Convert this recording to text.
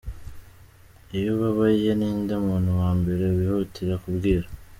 Iyo ubabaye ninde muntu wa mbere wihutira kubwira?.